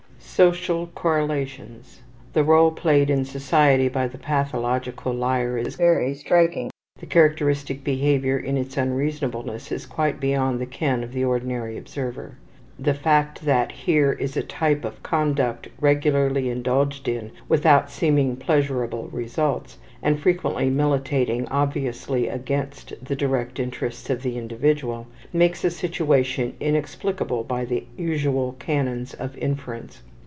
SOCIAL CORRELATIONS The role played in society by the pathological liar is very striking. The characteristic behavior in its unreasonableness is quite beyond the ken of the ordinary observer. The fact that here is a type of conduct regularly indulged in without seeming pleasurable results, and frequently militating obviously against the direct interests of the individual, makes a situation inexplicable by the usual canons of inference.